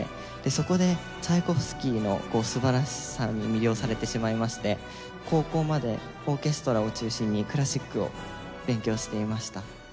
そこでチャイコフスキーの素晴らしさに魅了されてしまいまして高校までオーケストラを中心にクラシックを勉強していました。